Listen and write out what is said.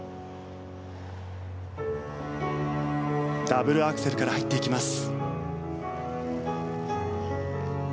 ダブルアクセルから入っていきます。